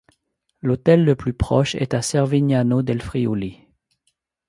L'hôtel le plus proche est à Cervignano del Friuli.